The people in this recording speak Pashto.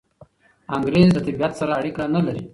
انګریز له طبیعت سره اړیکه نلري.